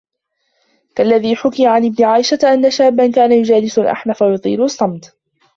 كَاَلَّذِي حُكِيَ عَنْ ابْنِ عَائِشَةَ أَنَّ شَابًّا كَانَ يُجَالِسُ الْأَحْنَفَ وَيُطِيلُ الصَّمْتَ